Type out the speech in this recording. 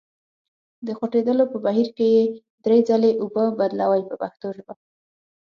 د خوټېدلو په بهیر کې یې درې ځلې اوبه بدلوئ په پښتو ژبه.